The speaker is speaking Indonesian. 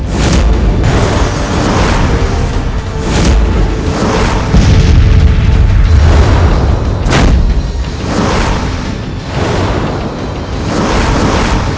mengobrol kepad northwest nusantara